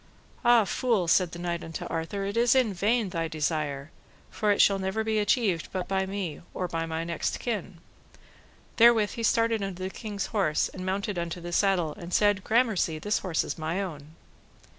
Ah, fool, said the knight unto Arthur, it is in vain thy desire, for it shall never be achieved but by me, or my next kin. Therewith he started unto the king's horse and mounted into the saddle, and said, Gramercy, this horse is my own.